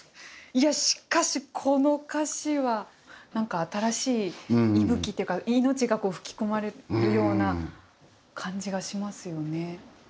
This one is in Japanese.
いや、しかし、この歌詞はなんか、新しい息吹っていうか命が吹き込まれるような感じがしますよね。